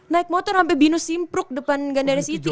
naik motor sampe binnu simpruk depan gandara city